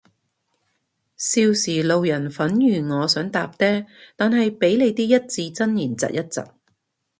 少時路人粉如我好想搭嗲，但係被你啲一字真言疾一疾